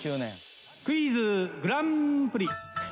・「『クイズグランプリ』」